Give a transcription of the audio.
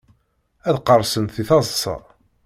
Ad qqerṣen si teḍsa.